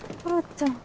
ちゃん